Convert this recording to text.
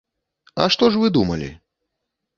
А што ж вы думалі?